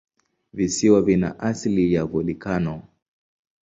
Visiwa vina asili ya volikano.